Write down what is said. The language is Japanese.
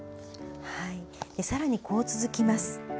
さらにこう続きます。